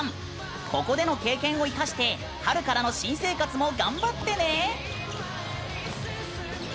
ここでの経験を生かして春からの新生活も頑張ってね！